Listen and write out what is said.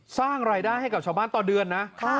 สร้างรายได้ให้กับชาวบ้านต่อเดือนนะ